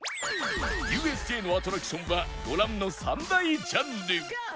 ＵＳＪ のアトラクションはご覧の３大ジャンル